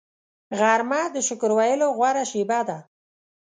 غرمه د شکر ویلو غوره شیبه ده